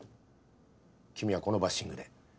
君はこのバッシングで。